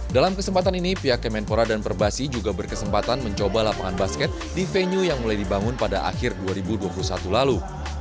dalam kesempatan ini pihak kemenpora dan perbasi juga berkesempatan mencoba lapangan basket di venue yang mulai dibangun pada akhir dua ribu dua puluh satu lalu